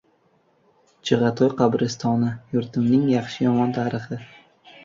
• Chig‘atoy qabristoni — yurtimning yaxshi-yomon tarixi…